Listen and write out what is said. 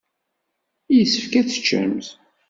Yessefk ad teččemt.